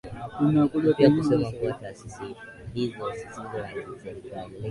mpya kusema kuwa taasisi hizo siziso za kiserikali